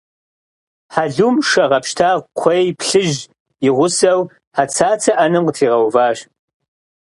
Хьэлум шэ гъэпщта къхуей плъыжь и гъусэу Хьэцацэ ӏэнэм къытригъэуващ.